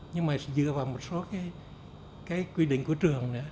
nhưng mà dựa vào một số cái quy định của trường nữa